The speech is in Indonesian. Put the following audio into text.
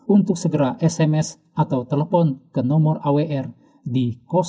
untuk segera sms atau telepon ke nomor awr di delapan ratus dua puluh satu seribu enam puluh enam